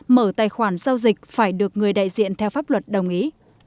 mở tài khoản giao dịch phải được người đại diện theo pháp luật đồng ý